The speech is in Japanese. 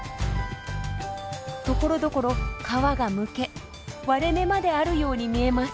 ところどころ皮がむけ割れ目まであるように見えます。